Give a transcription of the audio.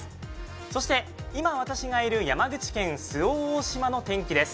そして今、私がいる山口県周防大島の天気です。